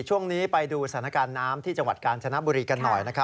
ช่วงนี้ไปดูสถานการณ์น้ำที่จังหวัดกาญจนบุรีกันหน่อย